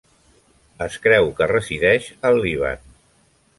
Es creu que resideix al Líban.